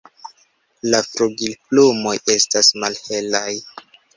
La flugilplumoj estas malhelaj.